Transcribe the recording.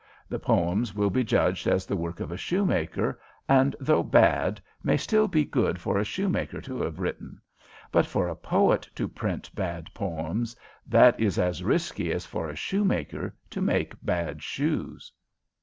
The poems will be judged as the work of a shoemaker, and, though bad, may still be good for a shoemaker to have written; but for a poet to print bad poems, that is as risky as for a shoemaker to make bad shoes."